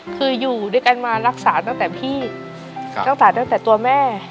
คืออยู่ด้วยกันมารักษาตั้งแต่พี่ตั้งแต่ตั้งแต่ตัวแม่